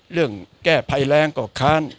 เรื่องแก้ภัยแรงก็ค้าน